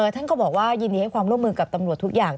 ท่านก็บอกว่ายินดีให้ความร่วมมือกับตำรวจทุกอย่าง